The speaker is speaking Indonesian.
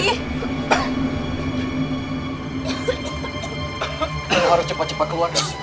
kita harus cepat cepat keluar dari situ